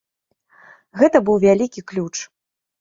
Гэта быў вялікі ключ.